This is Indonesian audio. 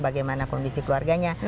bagaimana kondisi keluarganya